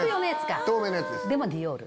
でもディオール？